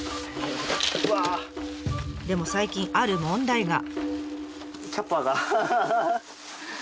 でも最近ある問題が。